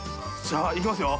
じゃあいきますよ。